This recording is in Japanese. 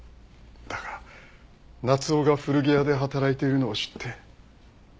だが夏夫が古着屋で働いているのを知って。